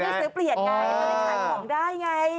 เปียกก็ได้ซื้อเปรียดไงเค้าได้ขายของได้ไง